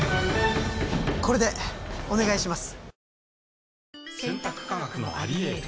これでお願いします